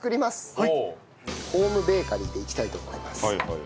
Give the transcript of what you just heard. ホームベーカリーでいきたいと思います。